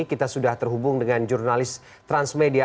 kita sudah terhubung dengan jurnalis transmedia